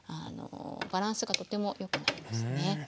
バランスがとてもよくなりますね。